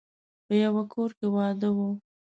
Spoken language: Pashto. په يوه کور کې واده و.